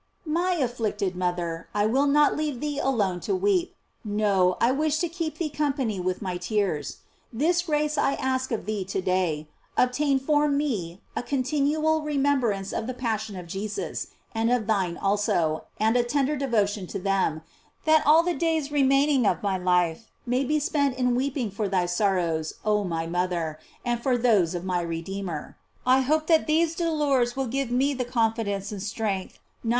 My afflicted mother, I will not leave thee alone to weep; no, I wish to keep thee company with my tears. This grace I ask of thee to day: ob tain for me a continual remembrance of the passion of Jesus, and of thine also, and a tender devotion to them, that all the remaining days of my life may be spent in weeping for thy sorrows, oh my mother, and for those of my Redeemer, * Dom infra oct Nat.